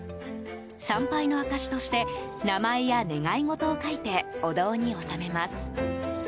参拝の証しとして名前や願い事を書いてお堂に納めます。